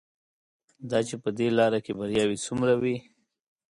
دا چې په دې لاره کې بریاوې څومره وې.